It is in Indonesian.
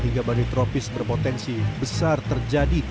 hingga badai tropis berpotensi besar terjadi